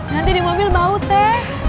nanti di mobil bau teh